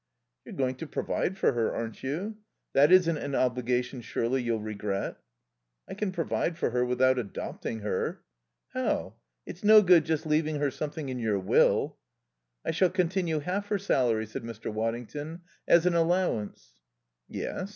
"You're going to provide for her, aren't you? That isn't an obligation, surely, you'll regret?" "I can provide for her without adopting her." "How? It's no good just leaving her something in your will." "I shall continue half her salary," said Mr. Waddington, "as an allowance." "Yes.